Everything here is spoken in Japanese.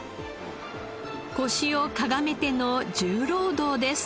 腰をかがめての重労働です。